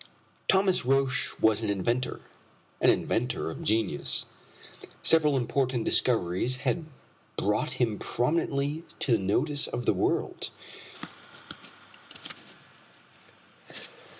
Thomas Roch was an inventor an inventor of genius. Several important discoveries had brought him prominently to the notice of the world.